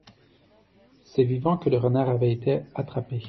C’est vivant que le renard avait été attrapé.